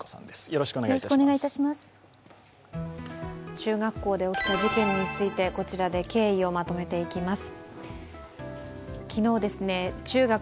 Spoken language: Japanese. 中学校で起きた事件について、こちらで経緯をまとめていきます。